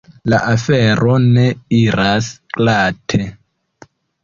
La afero ne iras glate.